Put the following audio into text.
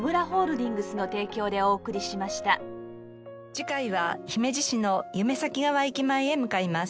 次回は姫路市の夢前川駅前へ向かいます。